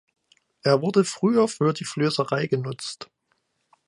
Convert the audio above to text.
Er wurde früher für die Flößerei genutzt.